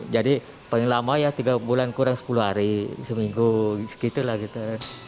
jadi paling lama ya tiga bulan kurang sepuluh hari seminggu segitulah gitu